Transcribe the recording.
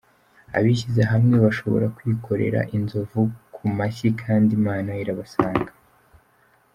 Abishyize hamwe bashobora kwikorera inzovu ku mashyi kandi Imana irabasanga.